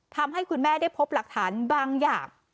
ทำให้คุณแม่ได้พบหลักฐานบางอย่าง